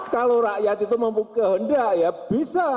kalau rakyat itu mempunyai kehendak ya bisa